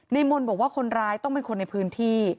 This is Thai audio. มนต์บอกว่าคนร้ายต้องเป็นคนในพื้นที่